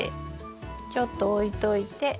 ちょっと置いといて。